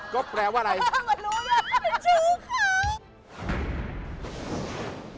ก็แปลว่าไรผมรู้แน่ชูเขา